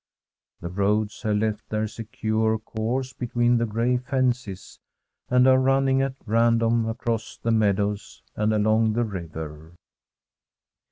The roads have left their secure course be tween the gray fences, and are running at random across the meadows and along the river.